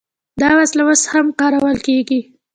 دا وسله اوس هم کارول کیږي.